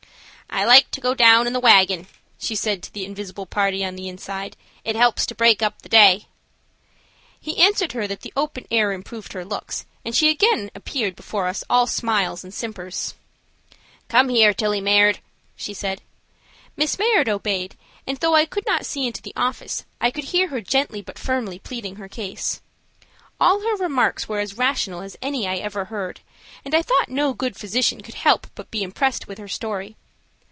"I like to go down in the wagon," she said to the invisible party on the inside. "It helps to break up the day." He answered her that the open air improved her looks, and she again appeared before us all smiles and simpers. "Come here, Tillie Mayard," she said. Miss Mayard obeyed, and, though I could not see into the office, I could hear her gently but firmly pleading her case. All her remarks were as rational as any I ever heard, and I thought no good physician could help but be impressed with her story.